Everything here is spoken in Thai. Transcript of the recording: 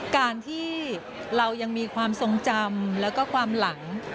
การที่เรายังมีความทรงจำแล้วก็ความหลัง